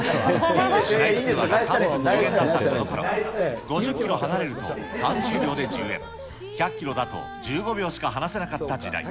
市内通話が３分１０円だったこのころ、５０キロ離れると３０秒で１０円、１００キロだと１５秒しか話せなかった時代。